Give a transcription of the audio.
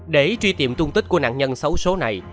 để truy tìm tung tích của nạn nhân xấu số này